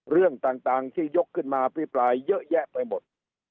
เรื่องต่างที่ยกขึ้นมาอภิปรายเยอะแยะไปหมด